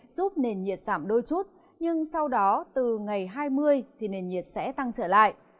giúp nền nhiệt giảm đôi chút nhưng sau đó từ ngày hai mươi thì nền nhiệt sẽ tăng trở lại